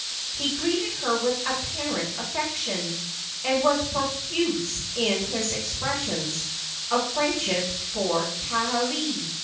He greeted her with apparent affection, and was profuse in his expressions of friendship for Kaaialii.